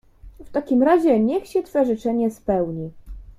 "w takim razie niech się twe życzenie spełni."